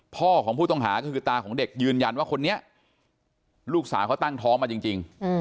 พ่อของผู้ต้องหาก็คือตาของเด็กยืนยันว่าคนนี้ลูกสาวเขาตั้งท้องมาจริง